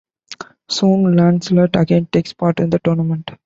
Soon Lancelot again takes part in a tournament.